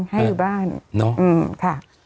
ให้อยู่บ้านที่กว่า